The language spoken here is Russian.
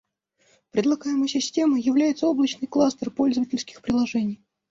Предлагаемой системой является облачный кластер пользовательских приложений